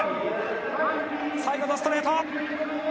最後のストレート。